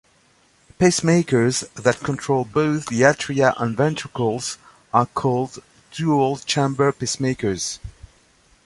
Pacemakers that control both the atria and ventricles are called dual-chamber pacemakers.